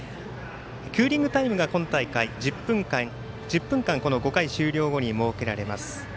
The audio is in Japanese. クーリングタイムが今大会、１０分間この５回終了後に設けられます。